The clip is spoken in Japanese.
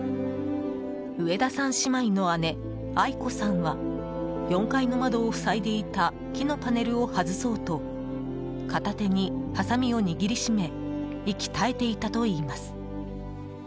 植田さん姉妹の姉・愛子さんは４階の窓を塞いでいた木のパネルを外そうと片手にハサミを握りしめ息絶えていたといいます。